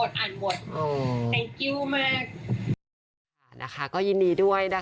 คนอื่นก็ดีใจ